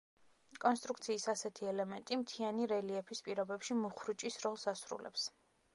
კონსტრუქციის ასეთი ელემენტი მთიანი რელიეფის პირობებში მუხრუჭის როლს ასრულებს.